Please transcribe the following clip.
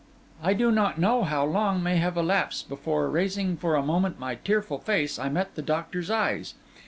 I do not know how long may have elapsed before, raising for a moment my tearful face, I met the doctor's eyes.